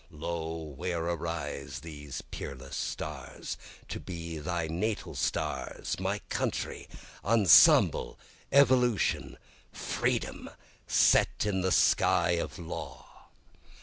(Lo, where arise three peerless stars, To be thy natal stars my country, Ensemble, Evolution, Freedom, Set in the sky of Law.)